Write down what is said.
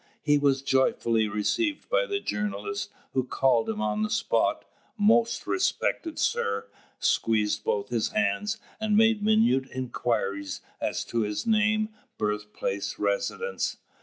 He was joyfully received by the journalist, who called him on the spot, "Most respected sir," squeezed both his hands, and made minute inquiries as to his name, birthplace, residence.